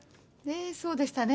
そうでしたね。